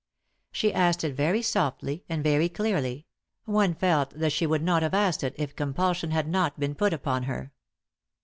She asked it very softly, and very clearly ; one felt that she would not have asked it if compulsion had not been put upon her.